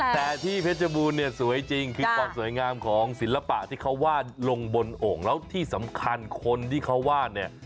แต่ที่เพชรบูรณเนี่ยสวยจริงคือความสวยงามของศิลปะที่เขาวาดลงบนโอ่งแล้วที่สำคัญคนที่เขาวาดเนี่ย